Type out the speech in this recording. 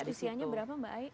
usianya berapa mbak ai